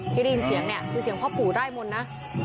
ที่ได้ยินเสียงเนี่ยคือเสียงพ่อปู่ได้มนต์นะ